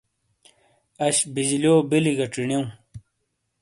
اَش بِجلیو بِیلی گہ ڇینیوں۔